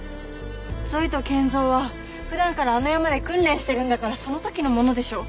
ゾイと健三は普段からあの山で訓練してるんだからその時のものでしょ。